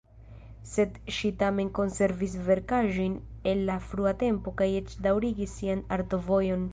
Sed ŝi tamen konservis verkaĵojn el la frua tempo kaj eĉ daŭrigis sian artovojon.